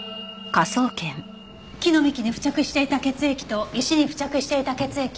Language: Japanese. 木の幹に付着していた血液と石に付着していた血液。